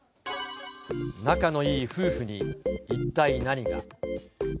仲のいい夫婦に一体何が。